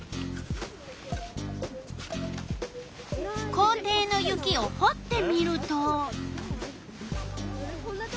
校庭の雪をほってみると。